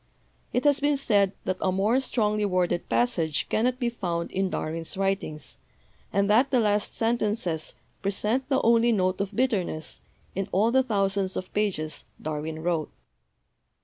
It has been said that a more strongly worded passage cannot be found in Darwin's writings, and that the last sentences present the only note of bitterness in all the thousands of pages Darwin wrote.